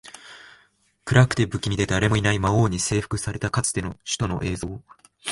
暗くて、不気味で、誰もいない魔王に征服されたかつての首都の映像